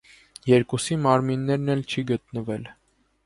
Երկուսի մարմիններն էլ չի գտնվել։